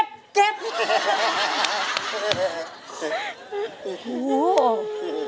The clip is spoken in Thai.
บ้าจริง